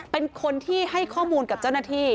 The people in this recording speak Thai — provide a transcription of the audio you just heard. เป็นคนที่ให้ข้อมูลกับเจ้าหน้าที่